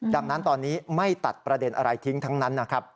ดังนั้นตอนนี้ไม่ตัดประเด็นอะไรทิ้งทั้งนั้นนะครับ